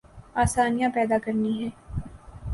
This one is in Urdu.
آسانیاں پیدا کرنی ہیں۔